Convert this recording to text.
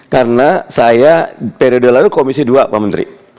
karena saya periode lalu komisi dua pak menteri